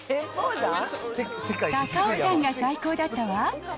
高尾山が最高だったわ。